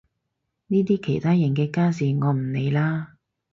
呢啲其他人嘅家事我唔理啦